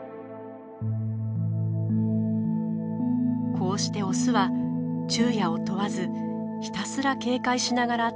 こうしてオスは昼夜を問わずひたすら警戒しながら卵を温めます。